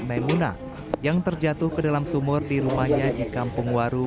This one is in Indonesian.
meluna yang terjatuh ke dalam sumur di rumahnya di kampung waru